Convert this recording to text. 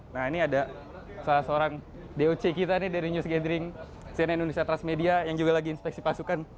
nah ini ada salah seorang doc kita nih dari news gathering cnn indonesia transmedia yang juga lagi inspeksi pasukan